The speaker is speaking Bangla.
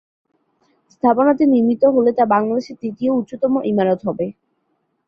স্থাপনাটি নির্মিত হলে তা বাংলাদেশের তৃতীয় উচ্চতম ইমারত হবে।